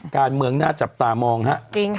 การเมืองน่าจับตามองฮะ